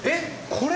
これ。